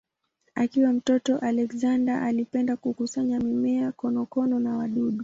Akiwa mtoto Alexander alipenda kukusanya mimea, konokono na wadudu.